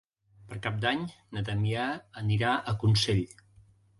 Per Cap d'Any na Damià anirà a Consell.